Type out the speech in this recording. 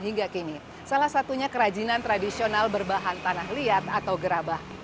hingga kini salah satunya kerajinan tradisional berbahan tanah liat atau gerabah